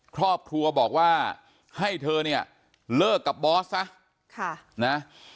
ครอบครัวบอกว่าให้เธอเนี่ยเลิกกับบอสซะนะ